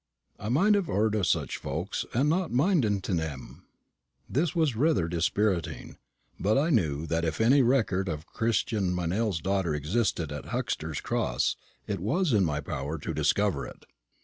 I might have heard o' such folks, and not minded t' nee am." This was rather dispiriting; but I knew that if any record of Christian Meynell's daughter existed at Huxter's Cross, it was in my power to discover it.